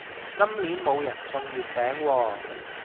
今年冇人送月餅喎